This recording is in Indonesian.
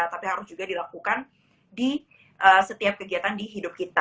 tapi harus juga dilakukan di setiap kegiatan di hidup kita